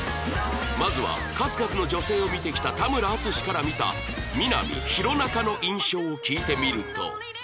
まずは数々の女性を見てきた田村淳から見たみな実弘中の印象を聞いてみると